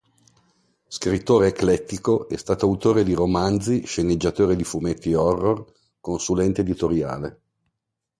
Scrittore eclettico, è stato autore di romanzi, sceneggiatore di fumetti horror, consulente editoriale.